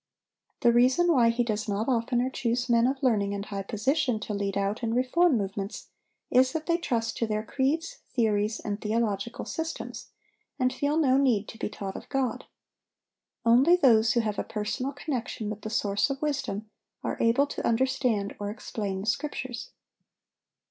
The reason why He does not oftener choose men of learning and high position to lead out in reform movements, is that they trust to their creeds, theories, and theological systems, and feel no need to be taught of God. Only those who have a personal connection with the Source of wisdom are able to understand or explain the Scriptures.